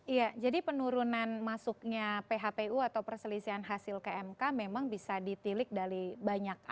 iya jadi penurunan masuknya phpu atau perselisihan hasil ke mk memang bisa ditilik dari banyak